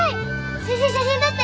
先生写真撮って！